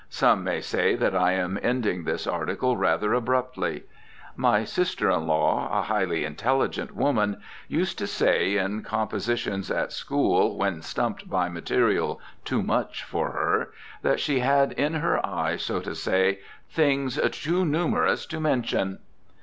Some may say that I am ending this article rather abruptly. My sister in law, a highly intelligent woman, used to say, in compositions at school when stumped by material too much for her, that she had in her eye, so to say, things "too numerous to mention."